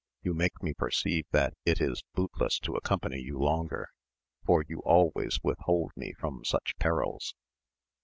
you make me perceive that it is bootless to accompany you longer, for you always withhold me from such perils.